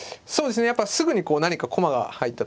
やっぱすぐにこう何か駒が入った時に。